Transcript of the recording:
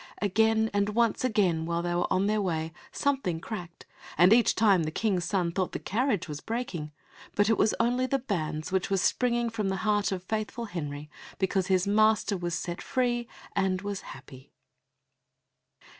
Again and once again while they were on their way something cracked, and each time the King's son thought the carriage was breaking; but it was only the bands which were springing from the heart of faithful Henry because his master was set free and was happy.